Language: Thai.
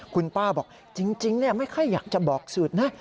คุณป้าบอกจริงไม่ค่อยอยากจะบอกสูตรนะ